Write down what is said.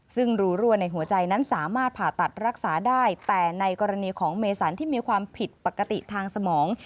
ซึ่งรูรั่วในหัวใจนั้นสามารถผ่าตัดรักษาได้แต่ในกรณีของเมสันที่มีความผิดปกติทางสมอง